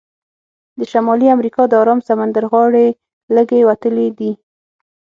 د شمالي امریکا د ارام سمندر غاړې لږې وتلې دي.